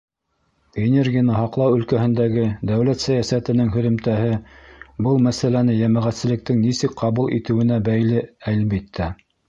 Энергияны һаҡлау өлкәһендәге дәүләт сәйәсәтенең һөҙөмтәһе был мәсьәләне йәмәғәтселектең нисек ҡабул итеүенә бәйле, әлбиттә.